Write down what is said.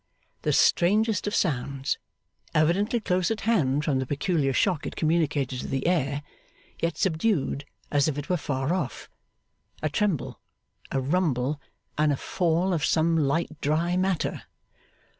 The strangest of sounds. Evidently close at hand from the peculiar shock it communicated to the air, yet subdued as if it were far off. A tremble, a rumble, and a fall of some light dry matter.